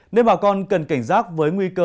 nên bà con cần cảnh giác với nguy cơ